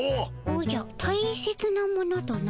おじゃたいせつなものとな？